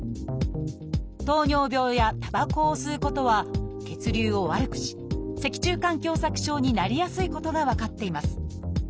「糖尿病」や「たばこを吸うこと」は血流を悪くし脊柱管狭窄症になりやすいことが分かっています。